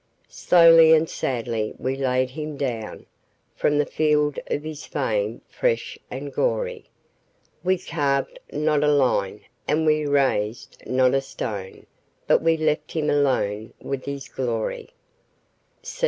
Slowly and sadly we laid him down From the field of his fame fresh and gory; We carved not a line, and we raised not a stone, But we left him alone with his glory.